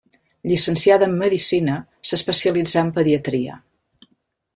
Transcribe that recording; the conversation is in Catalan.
Llicenciada en medicina, s'especialitzà en pediatria.